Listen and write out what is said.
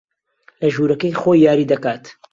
لە ژوورەکەی خۆی یاری دەکات.